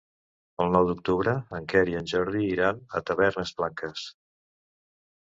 El nou d'octubre en Quer i en Jordi iran a Tavernes Blanques.